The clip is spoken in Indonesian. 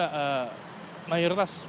nah yudha tentunya masyarakat atau warga dki juga